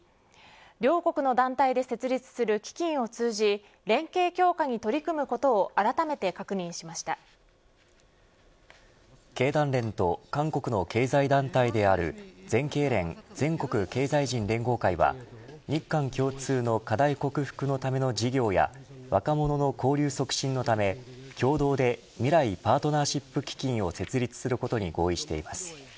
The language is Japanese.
両国の団体で設立する基金を通じ連携強化に取り組むことを経団連と韓国の経済団体である全経連、全国経済人連合会は日韓共通の課題克服のための事業や若者の交流促進のため、共同で未来パートナーシップ基金を設立することに合意しています。